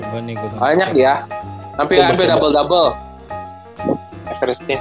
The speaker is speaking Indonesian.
banyak dia tampil double double